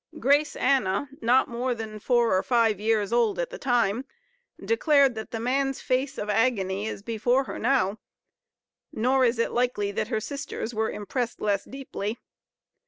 Grace Anna, not more than four or five years old at the time, declared that the man's face of agony is before her now; nor is it likely that her sisters were impressed less deeply.